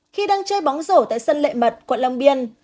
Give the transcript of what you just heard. khi đang chơi bóng rổ tại sân lệ mật quận long biên